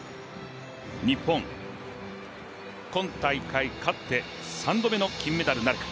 日本、今大会勝って、３度目の金メダルなるか。